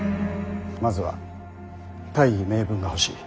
まずは大義名分が欲しい。